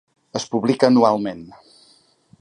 Es publica anualment.